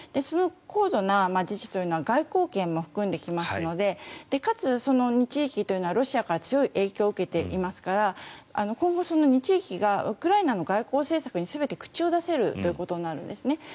その高度な自治というのは外交権も含んできますのでかつ、その２地域というのはロシアから強い影響を受けていますから今後、その２地域がウクライナの外交政策に全て口を出せるということになるんですね。